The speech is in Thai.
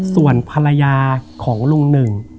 ส่วนภรรยาของลุงหนึ่ง